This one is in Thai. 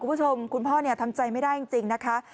คุณผู้ชมคุณพ่อทำใจไม่ได้จริงนะคะ